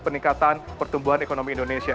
peningkatan pertumbuhan ekonomi indonesia